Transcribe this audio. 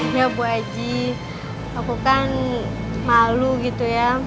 ya bu aji aku kan malu gitu ya